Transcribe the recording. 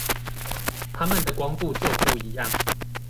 它們的光度就不一樣